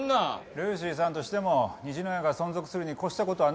ルーシーさんとしても虹の屋が存続するに越した事はないじゃないですか。